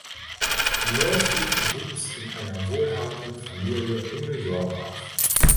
Murphy wuchs in einer wohlhabenden Familie in New York auf.